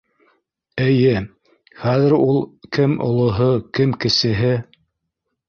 Эйе, хәҙер ул кем олоһо кем кесеһе.